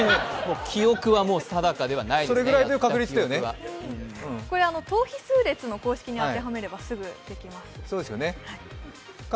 記憶は定かではないということは等比数列の公式に当てはめれば、すぐ解けます。